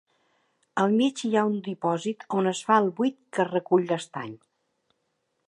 Al mig hi ha un dipòsit on es fa el buit que recull l'estany.